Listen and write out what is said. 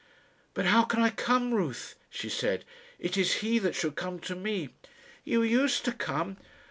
"But how can I come, Ruth?" she said. "It is he that should come to me." "You used to come."